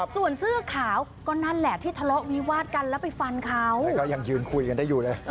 ส่วนเสื้อขาวก็นั่นแหละที่ทะเลาะวิวาดกันแล้วไปฟันเค้า